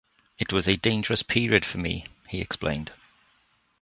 "It was a dangerous period for me," he explained.